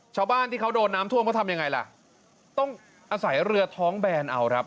ชาวบ้านที่เขาโดนน้ำท่วมเขาทำยังไงล่ะต้องอาศัยเรือท้องแบนเอาครับ